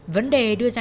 vấn đề đưa ra